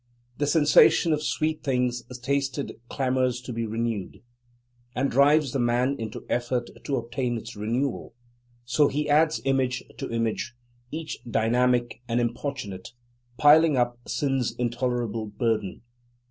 The sensation of sweet things tasted clamours to be renewed, and drives the man into effort to obtain its renewal; so he adds image to image, each dynamic and importunate, piling up sin's intolerable burden.